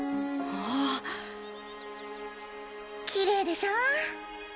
きれいでしょう？